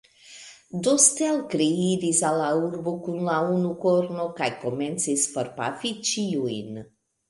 Do, Stelkri iris al la urbo kun la unukorno, kaj komencis forpafi ĉiujn.